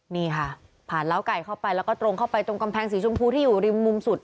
นี่ค่ะผ่านเล้าไก่เข้าไปแล้วก็ตรงเข้าไปตรงกำแพงสีชมพูที่อยู่ริมมุมสุด